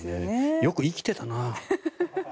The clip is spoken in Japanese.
よく生きていたな。